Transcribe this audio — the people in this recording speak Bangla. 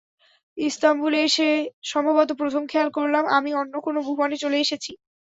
ইস্তাম্বুলে এসে সম্ভবত প্রথম খেয়াল করলাম আমি অন্য কোনো ভুবনে চলে এসেছি।